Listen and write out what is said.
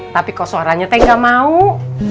tapi kok suaranya terlalu jauh